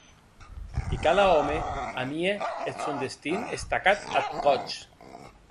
E cada òme amie eth sòn destin estacat ath còth.